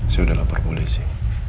saya udah lapor polisi